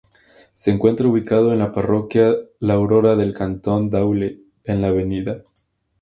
Se encuentra ubicado en la parroquia La Aurora del cantón Daule, en la Av.